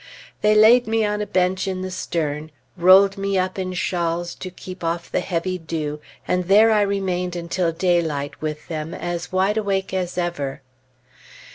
They laid me on a bench in the stern, rolled me up in shawls to keep off the heavy dew, and there I remained until daylight with them, as wide awake as ever.